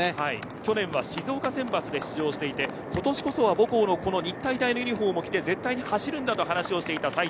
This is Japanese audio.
去年は静岡選抜で出場して今年こそは母校の日体大ユニホームを着て絶対に走るんだと話しをしていた齋藤。